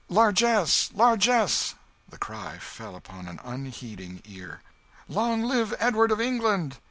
"Largess, largess!" The cry fell upon an unheeding ear. "Long live Edward of England!"